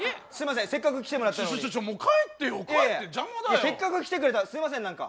せっかく来てくれたすいません何か。